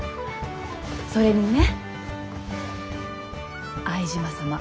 それにね相島様